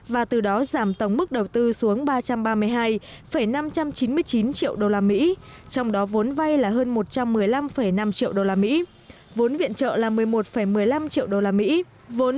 và từ đó giảm tổng mức đầu tư xuống ba trăm ba mươi hai năm trăm chín mươi hai triệu đô la mỹ